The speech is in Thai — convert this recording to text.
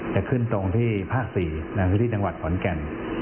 จะขึ้นตรงที่ภ๔ที่ถศขอนแก่น